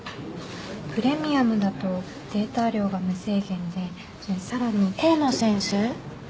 プレミアムだとデータ量が無制限でさらに河野先生？